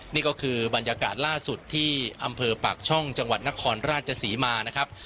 นี่ก็คือบรรยากาศล่าสุดที่อำเภอปากช่องจังหวัดนครราชศรีมานะครับ